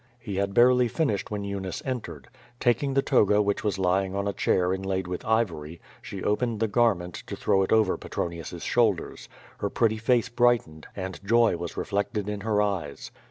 He had barely finished when Eunice entered. Taking the toga which was lying on a chair inlaid with ivory, she opened the garment to throw it over Petronius's shoulders. Her pretty face brightened, and joy was reflected in her eyes.